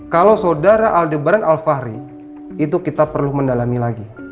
kalau saudara aldebaran alfahri itu kita perlu mendalami lagi